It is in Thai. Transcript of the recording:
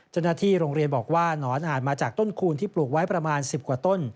เจ้าหน้าที่โรงเรียนบอกว่าหนอนอาจมาจากต้นคูณที่ปลูกไว้ประมาณ๑๐กว่าต้น